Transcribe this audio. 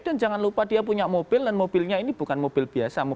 dan jangan lupa dia punya mobil dan mobilnya ini bukan mobil biasa